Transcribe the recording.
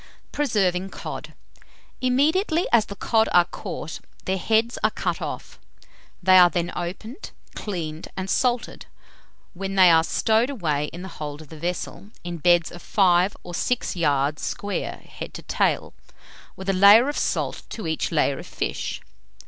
PRESERVING COD. Immediately as the cod are caught, their heads are cut off. They are then opened, cleaned, and salted, when they are stowed away in the hold of the vessel, in beds of five or six yards square, head to tail, with a layer of salt to each layer of fish.